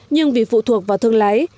nhưng vì phụ thuộc vào thương lái